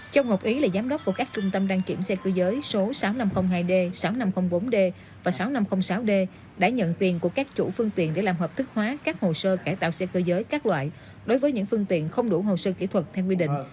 châu ngọc ý là giám đốc của các trung tâm đăng kiểm xe cơ giới số sáu nghìn năm trăm linh hai d sáu nghìn năm trăm linh bốn d và sáu nghìn năm trăm linh sáu d đã nhận tiền của các chủ phương tiện để làm hợp thức hóa các hồ sơ cải tạo xe cơ giới các loại đối với những phương tiện không đủ hồ sơ kỹ thuật theo quy định